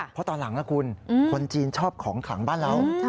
เพราะตอนหลังนะคุณคนจีนชอบของขลังบ้านเรา